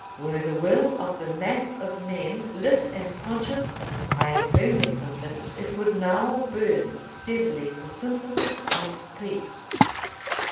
Were the will of the mass of men lit and conscious, I am firmly convinced it would now burn steadily for synthesis and peace.